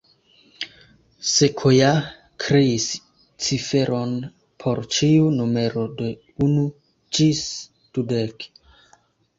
Sequoyah kreis ciferon por ĉiu numero de unu ĝis dudek